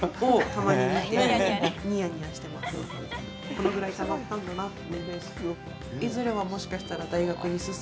このぐらいたまったんだなって。